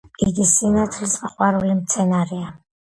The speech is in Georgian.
იგი სინათლის მოყვარული მცენარეა.